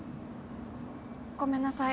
ごめんなさい。